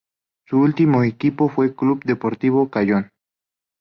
Su último equipo fue el Club Deportivo Cayón.